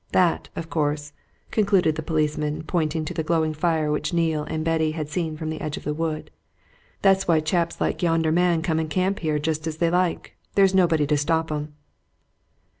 That, of course," concluded the policeman, pointing to the glowing fire which Neale and Betty had seen from the edge of the wood, "that's why chaps like yonder man come and camp here just as they like there's nobody to stop 'em."